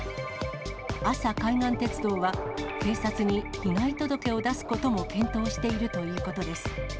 阿佐海岸鉄道は、警察に被害届を出すことも検討しているということです。